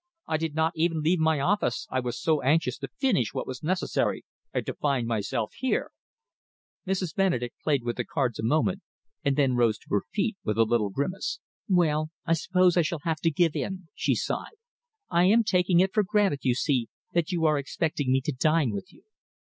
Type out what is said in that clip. I did not even leave my office, I was so anxious to finish what was necessary and to find myself here." Mrs. Benedek played with the cards a moment and then rose to her feet with a little grimace. "Well, I suppose I shall have to give in," she sighed. "I am taking it for granted, you see, that you are expecting me to dine with you."